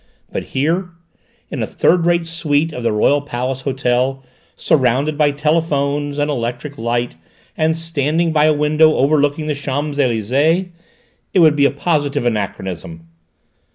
But here in a third floor suite of the Royal Palace Hotel, surrounded by telephones and electric light, and standing by a window overlooking the Champs Elysées it would be a positive anachronism!"